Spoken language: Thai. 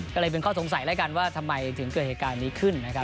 ก็เลยเป็นข้อสงสัยแล้วกันว่าทำไมถึงเกิดเหตุการณ์นี้ขึ้นนะครับ